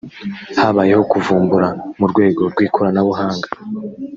habayeho kuvumbura mu rwego rw’ikoranabuhanga